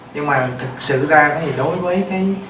nhưng mà thực sự ra đối với cái